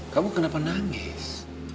kamu kenapa nangis